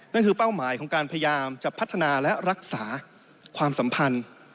นั่นคือเป้าหมายของการพยายามจะพัฒนาและรักษาความสัมพันธ์